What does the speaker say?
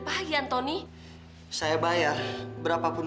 hah kok kecelakaan